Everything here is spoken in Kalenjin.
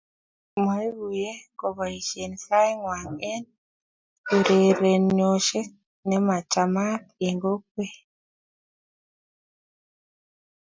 maiguyee kobaishe saingwai eng urerenoshiet nemachamat eng kokwet